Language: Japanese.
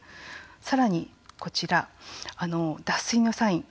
さらにこちら、脱水のサイン。